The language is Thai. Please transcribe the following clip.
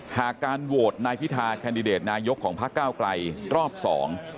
หากการโหวตนายพิทาคันดิเดตนายกของภาคก้าวกลัยรอบสอง